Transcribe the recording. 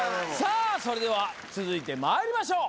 それでは続いて参りましょう。